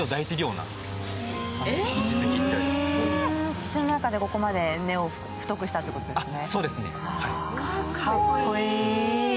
土の中でここまで根を太くしたということですね。